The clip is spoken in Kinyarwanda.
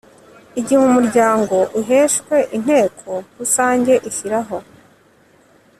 Igihe Umuryango usheshwe Inteko Rusange ishyiraho